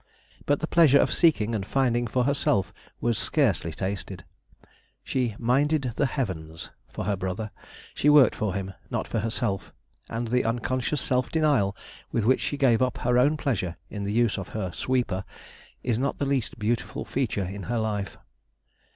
But the pleasure of seeking and finding for herself was scarcely tasted. She "minded the heavens" for her brother; she worked for him, not for herself, and the unconscious self denial with which she gave up her own pleasure in the use of her "sweeper," is not the least beautiful feature in her life.